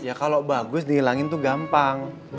ya kalau bagus dihilangin tuh gampang